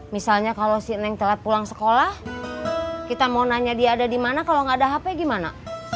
misalnya kalau si neng telat pulang sekolah kita mau nanya dia ada di mana kalau nggak ada hp gimana